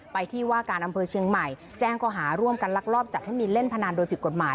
ไปที่ว่ากาลอำเภอเชียงใหม่แจ้งกัทหาร่วมกรรรกรอบจากเมียเล่นพนามโดยผิดกฎหมาย